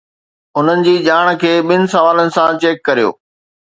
انهن جي ڄاڻ کي ٻن سوالن سان چيڪ ڪريو.